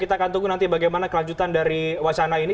kita akan tunggu nanti bagaimana kelanjutan dari wacana ini